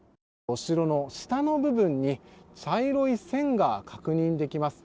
お城の下の部分に茶色い線が確認できます。